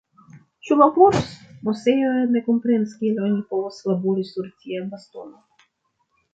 Ĉu laboros? Moseo ne komprenas kiel oni povas "labori" sur tia bastono.